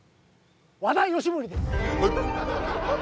和田義盛です。